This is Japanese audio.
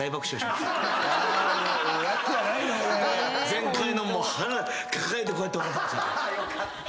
前回のも腹抱えてこうやって笑ってました。